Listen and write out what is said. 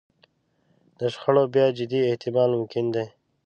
د شخړو بیا جدي احتمال ممکن دی.